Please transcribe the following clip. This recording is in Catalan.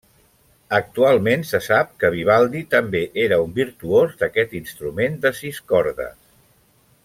Actualment se sap que Vivaldi també era un virtuós d'aquest instrument de sis cordes.